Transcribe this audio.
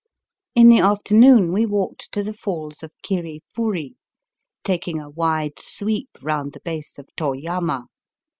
In the afternoon we walked to the falls of Kiri furi, taking a wide sweep round the base of To Yama.